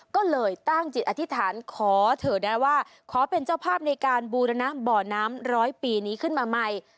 ก็เลยตั้งจิตอธิษฐานขอเถอะนะว่าขอเป็นเจ้าภาพในการบูรณะบ่อน้ำร้อยปีนี้ขึ้นมาใหม่